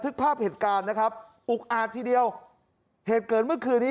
ภาพเหตุการณ์นะครับอุกอาจทีเดียวเหตุเกิดเมื่อคืนนี้